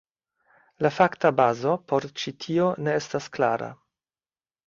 La fakta bazo por ĉi tio ne estas klara.